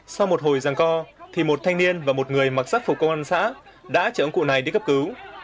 sau một hồi răng co thì một thanh niên và một người mặc sắc phục công an xã đã chở ông cụ này đi cấp cứu